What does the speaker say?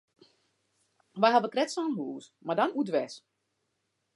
Wy hawwe krekt sa'n hús, mar dan oerdwers.